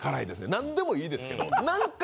何でもいいですけど。